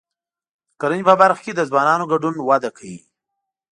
د کرنې په برخه کې د ځوانانو ګډون وده کوي.